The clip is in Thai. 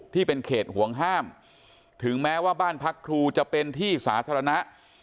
ที่เป็นเขตห่วงห้ามถึงแม้ว่าบ้านพักครูจะเป็นที่สาธารณะ